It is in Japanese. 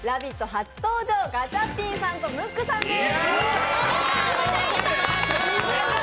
初登場ガチャピンさんとムックさんです。